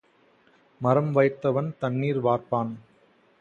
மரம் வைத்தவன் தண்ணீர் வார்ப்பான்.